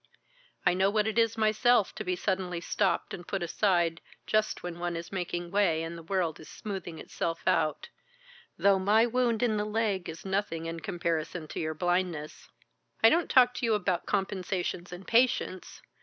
"I know what it is myself to be suddenly stopped and put aside just when one is making way and the world is smoothing itself out, though my wound in the leg is nothing in comparison to your blindness. I don't talk to you about compensations and patience.